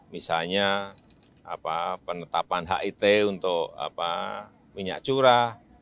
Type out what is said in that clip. misalnya penetapan hit untuk minyak curah